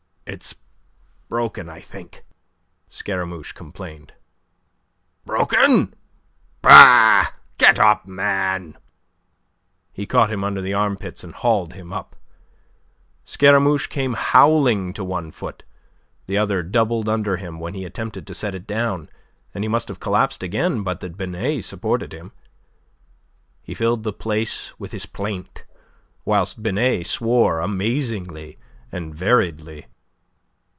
"It's broken, I think," Scaramouche complained. "Broken? Bah! Get up, man." He caught him under the armpits and hauled him up. Scaramouche came howling to one foot; the other doubled under him when he attempted to set it down, and he must have collapsed again but that Binet supported him. He filled the place with his plaint, whilst Binet swore amazingly and variedly.